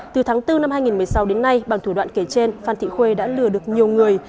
từ tháng bốn năm hai nghìn một mươi sáu đến nay bằng thủ đoạn kể trên phan thị khuê đã lừa được nhiều người